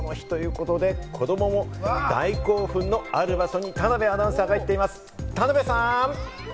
今日はこどもの日ということで、子供も大興奮のある場所に田辺アナウンサーが行っています、田辺さん！